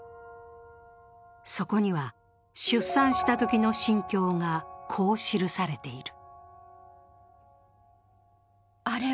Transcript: そこには出産したときの心境がこう記されている。